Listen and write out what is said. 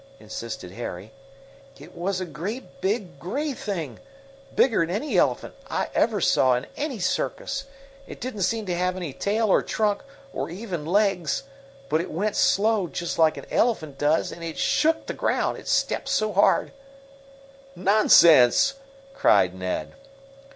insisted Harry. "It was a great big gray thing, bigger'n any elephant I ever saw in any circus. It didn't seem to have any tail or trunk, or even legs, but it went slow, just like an elephant does, and it shook the ground, it stepped so hard!" "Nonsense!" cried Ned.